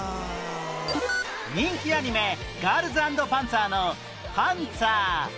人気アニメ『ガールズ＆パンツァー』の「パンツァー」